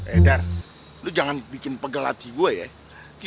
edar lu jangan bikin pegel hati gue ya